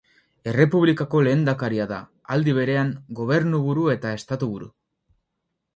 Errepublikako lehendakaria da, aldi berean, gobernuburu eta estatuburu.